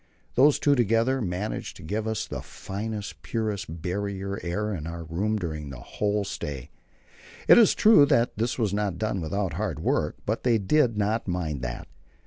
These two together managed to give us the finest, purest Barrier air in our room during the whole stay. It is true that this was not done without hard work, but they did not mind that.